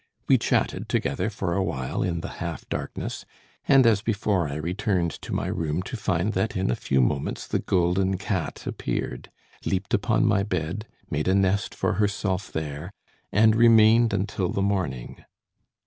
We chatted together for a while in the half darkness, and, as before, I returned to my room to find that in a few moments the golden cat appeared, leaped upon my bed, made a nest for herself there, and remained until the morning.